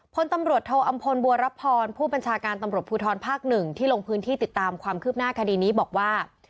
พลตำรวจโทอำพลบัวรับพรผู้บัญชาการตำรวจภูทรภาค๑ที่ลงพื้นที่ติดตามความคืบหน้าคดีนี้บอกว่า